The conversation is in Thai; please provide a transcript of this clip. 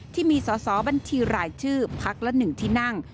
ที่มีสอบรรทีหลายชื่อภักดิ์และหนึ่งที่นั่ง